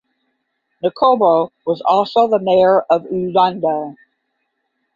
Ngcobo was also the mayor of Ulundi.